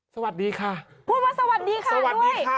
สวัสดีค่ะด้วย